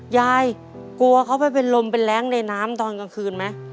ยายกลัวเขาไปเป็นลมเป็นแรงในน้ำตอนกลางคืนไหม